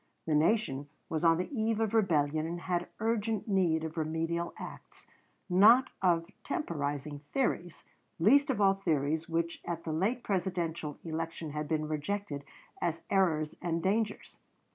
The nation was on the eve of rebellion and had urgent need of remedial acts, not of temporizing theories, least of all theories which at the late Presidential election had been rejected as errors and dangers.